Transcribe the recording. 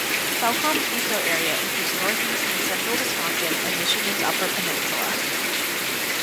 Cellcom's retail area includes northeast and central Wisconsin and Michigan's Upper Peninsula.